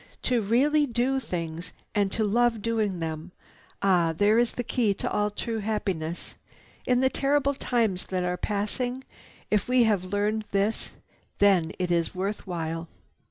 "To really do things and to love doing them! Ah, there is the key to all true happiness! In the terrible times that are passing, if we have learned this, then it is worth while."